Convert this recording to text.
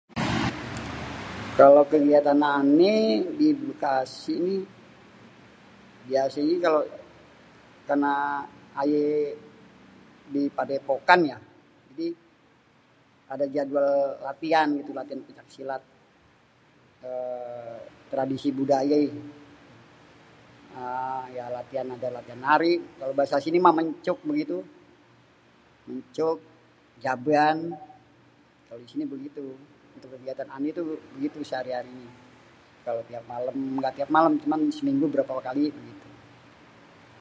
Kalo kegiatan ané di Bekasi ni, biasanyé kalo, karna ayé di padepokan ya. Jadi ada jadwal latian gitu, latian pencak silat eee tradisi budayé eee ya latian ada latian nari kalo bahasa sini mah mencuk begitu. Mencuk, jaban kalo di sini begitu. Untuk kegiatan ané tu begitu sehari-hari. Kalo tiap malem, gak tiap malem, cuman seminggu berapa kali begitu.